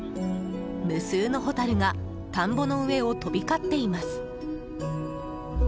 無数のホタルが田んぼの上を飛び交っています。